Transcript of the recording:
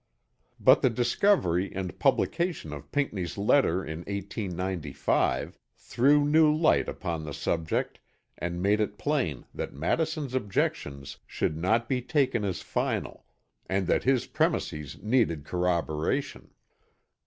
But the discovery and publication of Pinckney's letter in 1895 threw new light upon the subject and made it plain that Madison's objections should not be taken as final and that his premises needed corroboration.